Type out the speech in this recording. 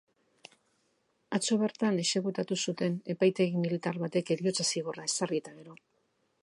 Atzo bertan exekutatu zuten, epaitegi militar batek heriotza zigorra ezarri eta gero.